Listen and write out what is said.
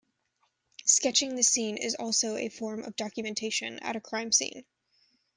Sketching the scene is also a form of documentation at a crime scene.